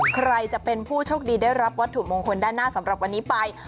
ใครจะเป็นผู้โชคดีได้รับวัตถุมงคลด้านหน้าสำหรับวันนี้ไป